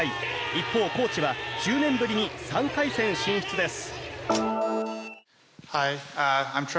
一方、高知は１０年ぶりに３回戦進出です。